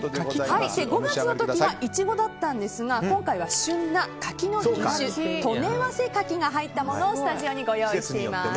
５月の時はイチゴだったんですが今回は旬な柿刀根早生柿が入ったものをスタジオにご用意しています。